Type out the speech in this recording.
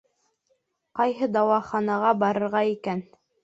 Ҡайһы дауаханаға барырға икән?